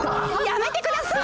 やめてください！